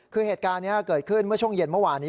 คือเหตุการณ์นี้เกิดขึ้นเมื่อช่วงเย็นเมื่อวานนี้